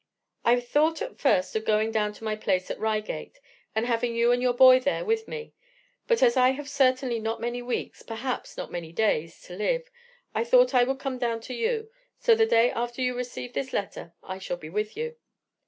"I thought at first of going down to my place at Reigate, and having you and your boy there with me; but as I have certainly not many weeks, perhaps not many days, to live, I thought I would come down to you; so the day after you receive this letter I shall be with you.